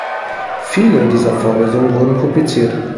Viele dieser Vorlesungen wurden publiziert.